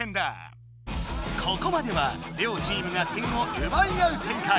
ここまでは両チームが点を奪い合う展開！